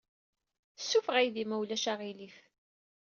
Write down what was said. Ssuffeɣ aydi, ma ulac aɣilif.